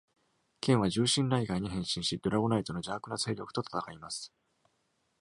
ケンは獣神ライガーに変身し、ドラゴナイトの邪悪な勢力と戦います！